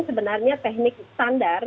sebenarnya teknik standar